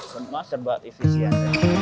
semua serba efisien